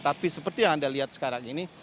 tapi seperti yang anda lihat sekarang ini